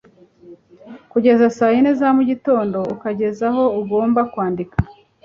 kugeza saa yine za mugitondo ukagera aho ugomba kwandika